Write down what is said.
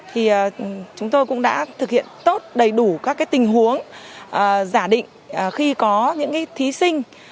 thì chúng tôi cũng đã thực hiện tốt đầy đủ các tình huống giả định khi có những thí sinh